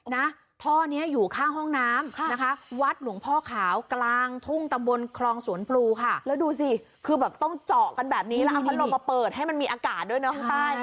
แล้วเอามาลงมาเปิดให้มีอากาศด้วยนะ